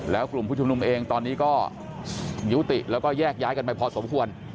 แล้วกลุ่มผู้ชุมนุมเองตอนนี้ก็ยุติแล้วก็แยกย้ายกันไปพอสมควร